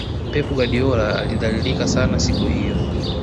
pep guardiola alidhalilika sana siku hiyo